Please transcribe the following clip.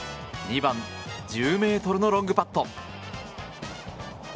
２番、１０ｍのロングパット。